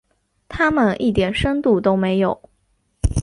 他们一点深度都没有。